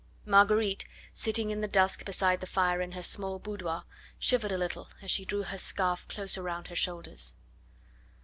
Marguerite, sitting in the dusk beside the fire in her small boudoir, shivered a little as she drew her scarf closer round her shoulders.